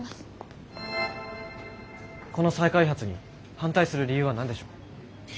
この再開発に反対する理由は何でしょう？